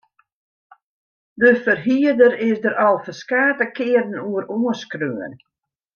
De ferhierder is der al ferskate kearen oer oanskreaun.